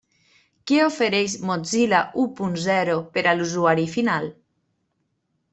Què ofereix Mozilla u punt zero per a l'usuari final?